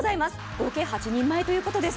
合計８人前ということです。